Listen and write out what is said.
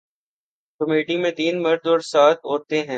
committee میں تین مرد اور سات عورتیں ہیں